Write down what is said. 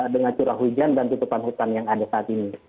dengan curah hujan dan tutupan hutan yang ada saat ini